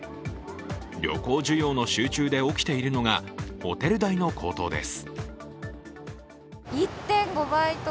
旅行需要の集中で起きているのがホテル代の高騰です。